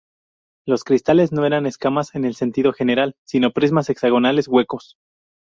Los cristales no eran escamas en el sentido general, sino prismas hexagonales huecos.